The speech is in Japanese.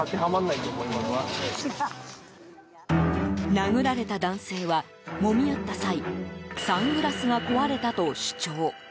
殴られた男性は、もみ合った際サングラスが壊れたと主張。